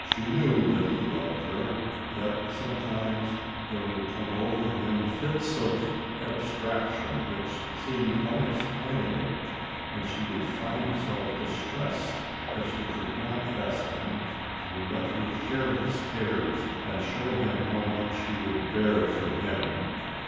She knew that he loved her, yet sometimes there would come over him fits of abstraction, which seemed unexplainable, and she would find her self distressed that she could not ask him to let her share his cares, and show him how much she would f>ear for him.